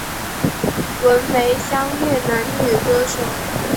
文梅香越南女歌手。